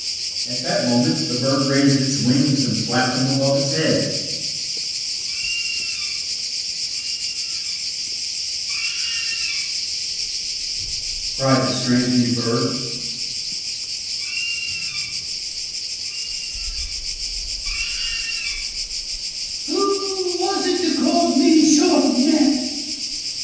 "At that moment the bird raised its wings and flapped them above its head. "'Kea! Kea! Kea!' cried the strange new bird. 'Kea! Kea! Kea! who was it called me short neck?'